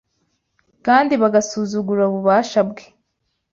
kandi bagasuzugura ububasha bwe